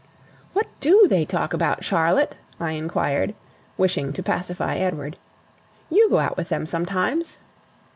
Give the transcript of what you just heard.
"What DO they talk about, Charlotte?" I inquired, wishing to pacify Edward. "You go out with them sometimes."